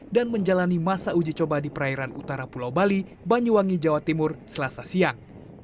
menjalani masa uji coba di perairan utara pulau bali banyuwangi jawa timur selasa siang